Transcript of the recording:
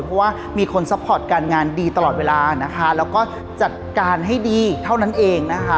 เพราะว่ามีคนซัพพอร์ตการงานดีตลอดเวลานะคะแล้วก็จัดการให้ดีเท่านั้นเองนะคะ